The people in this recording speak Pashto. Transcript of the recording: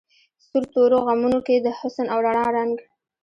سور تورو غمونو کی د حسن او رڼا رنګ